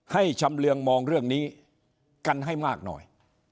ให้ชำเรืองมองเรื่องนี้กันให้มากหน่อย